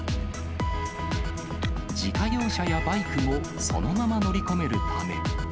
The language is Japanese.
自家用車やバイクもそのまま乗り込めるため。